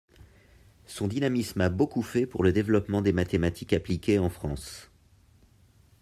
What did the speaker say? Son dynamisme a beaucoup fait pour le développement des mathématiques appliquées en France.